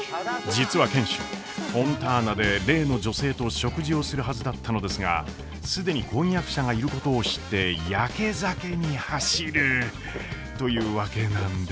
実は賢秀フォンターナで例の女性と食事をするはずだったのですが既に婚約者がいることを知ってやけ酒に走るというわけなんです。